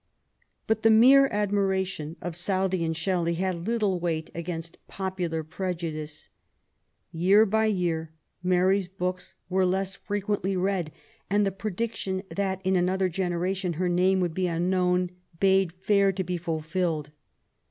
But the mere admiration of Southey and Shelley had little weight against popular prejudice. Year by year Mary^s books were less frequently read, and the prediction that in another generation her name would be unknown bade fair to be fulfilled.